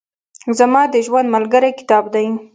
زما د ژوند ملګری کتاب دئ.